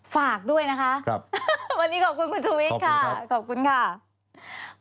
ฝากด้วยนะคะวันนี้ขอบคุณคุณชูวิทย์ค่ะขอบคุณค่ะ